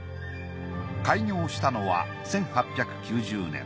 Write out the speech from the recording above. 開業したのは１８９０年。